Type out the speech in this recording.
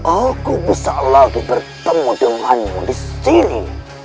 aku bisa lagi bertemu denganmu disini